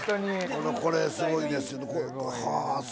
これ、すごいです。